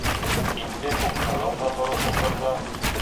Инде Күкһылыу ҙа тороп ултырҙы: